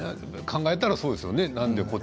考えたらそうですよね。